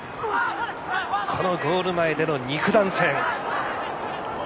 このゴール前での肉弾戦。